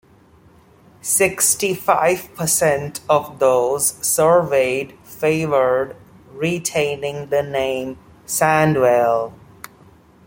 Sixty-five percent of those surveyed favoured retaining the name Sandwell.